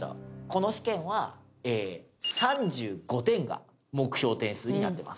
この試験は３５点が目標点数になってます